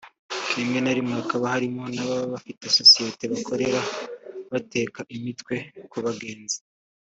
rimwe na rimwe hakaba harimo n’ababa badafite sosiyete bakorera bateka imitwe ku bagenzi